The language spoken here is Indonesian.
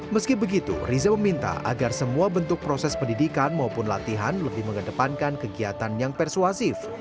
meski begitu riza meminta agar semua bentuk proses pendidikan maupun latihan lebih mengedepankan kegiatan yang persuasif